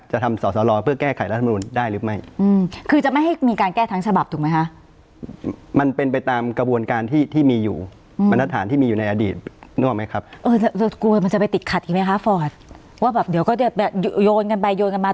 จะทำสอสอลอเพื่อแก้ไขรัฐธรรมนุนได้หรือไม่